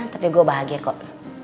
tapi gue bahagia kok